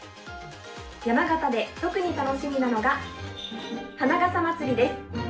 山形で、特に楽しみなのが花笠まつりです。